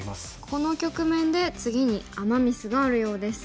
この局面で次にアマ・ミスがあるようです。